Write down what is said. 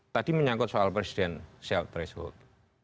tadi menyangkut soal presiden sheldon presswood